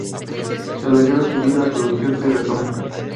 Tras la guerra civil, la producción se retoma.